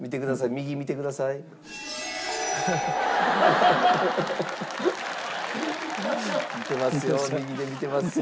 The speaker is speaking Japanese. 右で見てますよ。